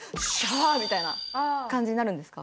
みたいな感じになるんですか？